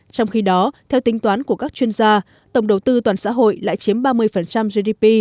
trong khi đó theo tính toán của các chuyên gia tổng đầu tư toàn xã hội lại chiếm ba mươi gdp